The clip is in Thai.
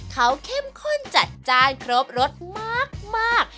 เขาเข้มข้นจัดจ้านครบรสมาก